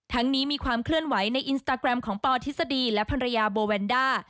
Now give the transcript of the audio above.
นี้มีความเคลื่อนไหวในอินสตาแกรมของปอทฤษฎีและภรรยาโบแวนด้า